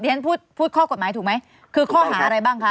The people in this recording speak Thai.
ฉันพูดข้อกฎหมายถูกไหมคือข้อหาอะไรบ้างคะ